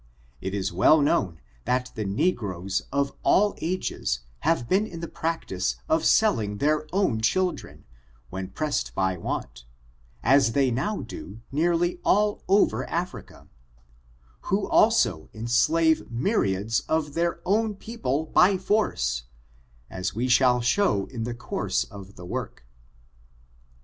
It is well known that the negroes of all ages have been in the practice of sell ing their own children, when pressed by want, as they now do nearly all over Africa — ^who also en slave myriads of their awn people by force, as we shall show in the course of the work.